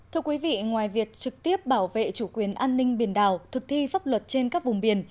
thưa quý vị ngoài việc trực tiếp bảo vệ chủ quyền an ninh biển đảo thực thi pháp luật trên các vùng biển